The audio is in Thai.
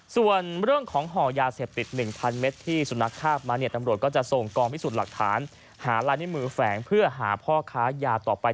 ส่วนเรื่องของห่อยาเสพติด๑๐๐เมตรที่สุนัขคาบมาเนี่ยตำรวจก็จะส่งกองพิสูจน์หลักฐานหาลายนิ้วมือแฝงเพื่อหาพ่อค้ายาต่อไป